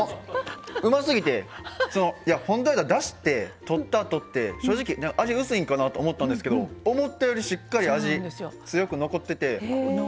うますぎて本当、だしって、とったら正直、味が薄いかなと思ったんですけど思ったよりしっかり味、強く残ってて。